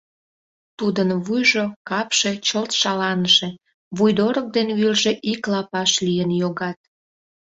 Тудын вуйжо, капше чылт шаланыше, вуйдорык ден вӱржӧ ик лапаш лийын йогат...